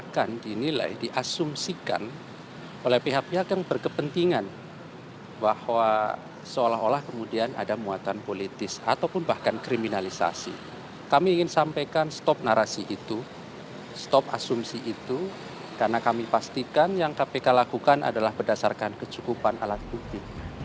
karena kami pastikan yang kpk lakukan adalah berdasarkan kecukupan alat bukti